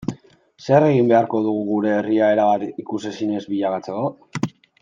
Zer egin beharko dugu gure herria erabat ikusezin ez bilakatzeko?